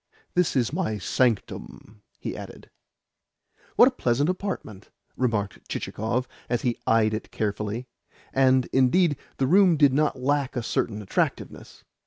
"This is my sanctum," he added. "What a pleasant apartment!" remarked Chichikov as he eyed it carefully. And, indeed, the room did not lack a certain attractiveness.